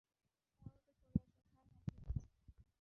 সময়মত চলে এসো - হ্যাঁ হ্যাঁ, ঠিক আছে।